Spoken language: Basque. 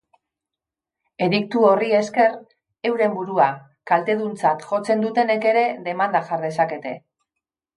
Ediktu horri esker, euren burua kalteduntzat jotzen dutenek ere demanda jar dezakete.